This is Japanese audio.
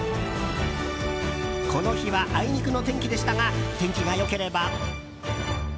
この日はあいにくの天気でしたが天気が良ければ。